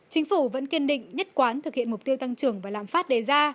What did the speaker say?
chính phủ vẫn kiên định nhất quán thực hiện mục tiêu tăng trưởng và lạm phát đề ra